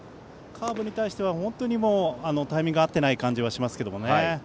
カーブに対しては本当にタイミングが合っていない感じがしますけどね。